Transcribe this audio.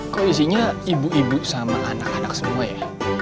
kok isinya ibu ibu sama anak anak semua ya